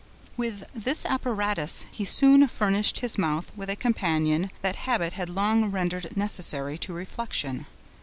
With this apparatus, he soon furnished his mouth with a companion that habit had long rendered necessary to reflection.